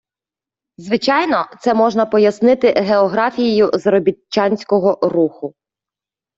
Звичайно, це можна пояснити географією заробітчанського руху.